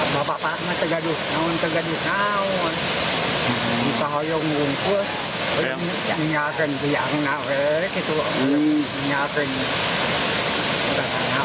sejak dua puluh tahun mereka berhasil mengalirkan air sepanjang satu kilometer